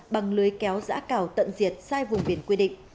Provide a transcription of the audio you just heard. bằng lưới kéo giã cào tận diệt sai vùng biển quy định